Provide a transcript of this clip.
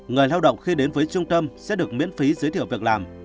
người lao động khi đến với trung tâm sẽ được miễn phí giới thiệu việc làm